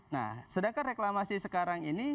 nah sedangkan reklamasi sekarang ini